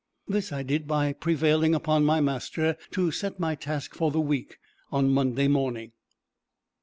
This I did by prevailing on my master to set my task for the week on Monday morning.